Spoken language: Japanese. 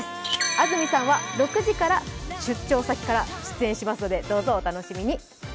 安住さんは６時から出張先から出演しますので、どうぞお楽しみに！